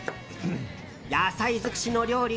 野菜尽くしの料理